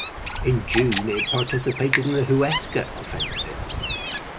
In June it participated in the Huesca Offensive.